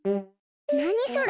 なにそれ？